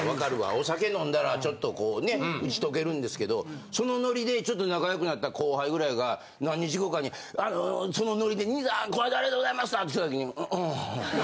お酒飲んだらちょっとこうね打ち解けるんですけどそのノリでちょっと仲良くなった後輩ぐらいが何日後かにそのノリで。ってきた時に。